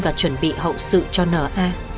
và chuẩn bị hậu sự cho n a